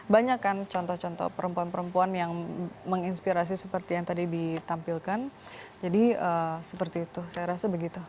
banyak kan contoh contoh perempuan perempuan yang menginspirasi seperti yang tadi ditampilkan jadi seperti itu saya rasa begitu